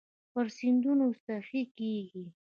پر سیندونو سخي کیږې